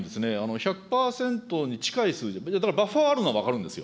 １００％に近い数字、だからバッファーがあるのは分かるんですよ。